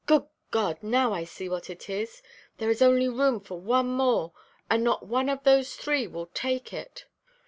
Good God! now I see what it is. There is only room for one more, and not one of those three will take it.